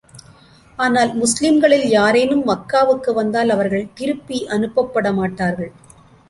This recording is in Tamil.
ஆனால், முஸ்லிம்களில் யாரேனும் மக்காவுக்கு வந்தால், அவர்கள் திருப்பி அனுப்பப்பட மாட்டார்கள்.